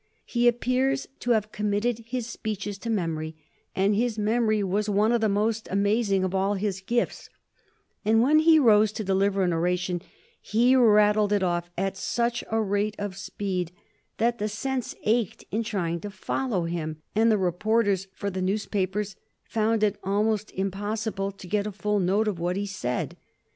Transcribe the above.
He appears to have committed his speeches to memory, and his memory was one of the most amazing of all his gifts; and when he rose to deliver an oration he rattled it off at such a rate of speed that the sense ached in trying to follow him, and the reporters for the newspapers found it almost impossible to get a full note of what he said.